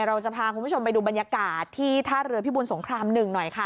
เราจะพาคุณผู้ชมไปดูบรรยากาศที่ท่าเรือพิบูลสงคราม๑หน่อยค่ะ